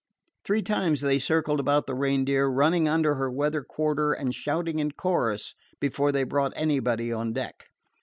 Three times they circled about the Reindeer, running under her weather quarter and shouting in chorus, before they brought anybody on deck.